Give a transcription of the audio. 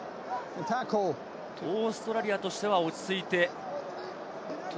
オーストラリアとしては落ち着いて。